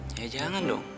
ya jangan dong